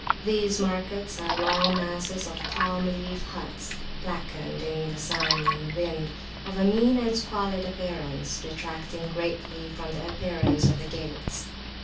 These markets are long masses of palm leaf huts, blackened in the sun and wind, of a mean and squalid appearance, detracting greatly from the appearance of the gates.